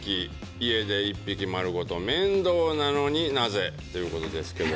家で一匹丸ごと面倒なのになぜ、ということですけれども。